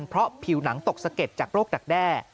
เพราะผิวหนังตกสะเก็ดจากโรคดักแด้